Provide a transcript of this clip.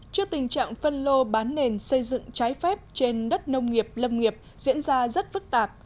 trước tình trạng phân lô bán nền xây dựng trái phép trên đất nông nghiệp lâm nghiệp diễn ra rất phức tạp